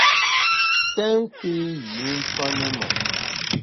Sèn nkpi yî mfa ne ma!